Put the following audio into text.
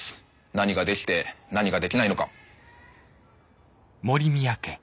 何ができて何ができないのか。